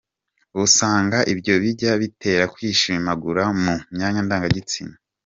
Usanga ibyo bijya bitera kwishimagura mu myanya ndangagitsina.